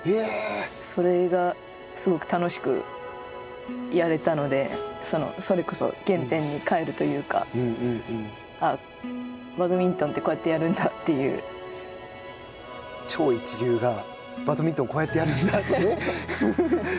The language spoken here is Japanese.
それがすごく楽しくやれたので、それこそ原点に返るというか、バドミントンって、こうやってやる超一流が、バドミントンをこう思いました。